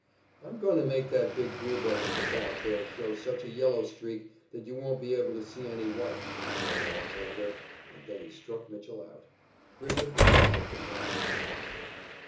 "I'm going to make that big boob up at the bat there show such a 'yellow streak' that you won't be able to see any white," declared Alexander, and then he struck Mitchell out. Griffith had tried the wrong tactics.